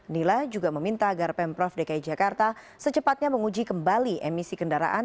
nila juga meminta agar pemprov dki jakarta secepatnya menguji kembali emisi kendaraan